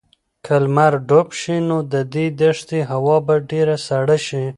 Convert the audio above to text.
که لمر ډوب شي نو د دې دښتې هوا به ډېره سړه شي.